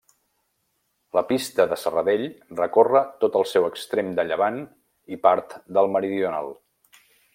La Pista de Serradell recorre tot el seu extrem de llevant i part del meridional.